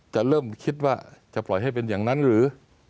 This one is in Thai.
จะเริ่มคิดว่าจะปล่อยให้เป็นอย่างนั้นหรือ